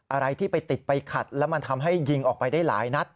อะไรที่ไปติดไปขัดแล้วมันทำให้ยิงออกไปได้หลายนัด